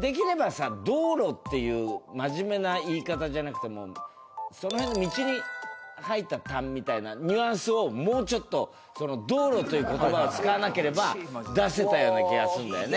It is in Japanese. できればさ「道路」っていう真面目な言い方じゃなくて「その辺の道に吐いた痰」みたいなニュアンスをもうちょっと「道路」という言葉を使わなければ出せたような気がするんだよね。